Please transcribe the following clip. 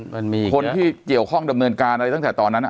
มันมีคนที่เกี่ยวข้องดำเนินการอะไรตั้งแต่ตอนนั้น